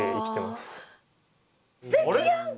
すてきやんか！